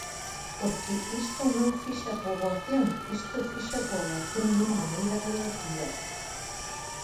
Porque isto non fixa poboación, isto fixa poboación dunha maneira relativa.